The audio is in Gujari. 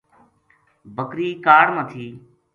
بکری کاڑ ما تھی